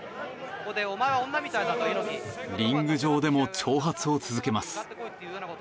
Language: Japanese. リング上でも挑発を続けます。